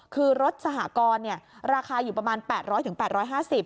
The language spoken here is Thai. คือรถสหกรณ์ราคาอยู่ประมาณ๘๐๐๘๕๐บาท